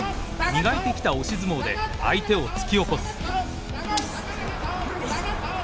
磨いてきた押し相撲で相手を突き起こす。